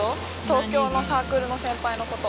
東京のサークルの先輩の事。